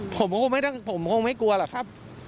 ผมก็คงไม่กลัวหรอกครับ